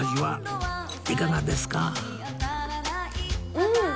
うん！